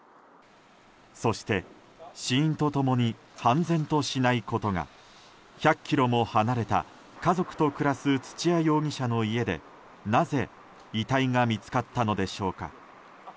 そして、死因と共に判然としないことが１００ｋｍも離れた家族と暮らす土屋容疑者の家でなぜ遺体が見つかったのでしょうか。